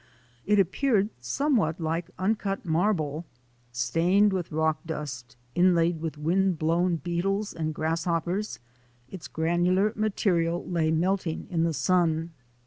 It ap peared somewhat like uncut marble. Stained with rock dust, inlaid with wind blown beetles and grasshoppers, its granular material lay melting in the sun.